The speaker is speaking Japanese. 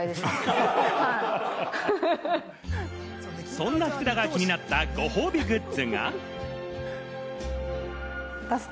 そんな福田が気になったご褒美グッズが。